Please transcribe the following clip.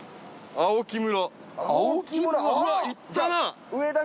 青木村。